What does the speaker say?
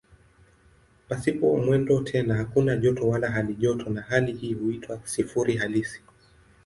Pasipo mwendo tena hakuna joto wala halijoto na hali hii huitwa "sifuri halisi".